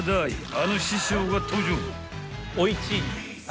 あの師匠が登場！